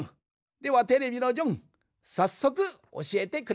ではテレビのジョンさっそくおしえてくれたまえ。